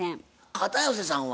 片寄さんは？